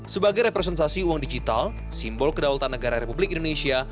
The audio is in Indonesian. sebagai representasi uang digital simbol kedaulatan negara republik indonesia